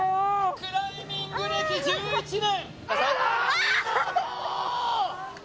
クライミング歴１１年